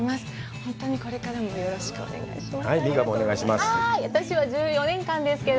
本当にこれからもよろしくお願いします。